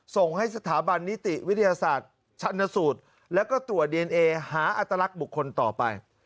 ส่งให้สถาบันนิติวิทยาศาสตร์ชันสูตรแล้วก็ตรวจดีเอนเอหาอัตลักษณ์บุคคลต่อไป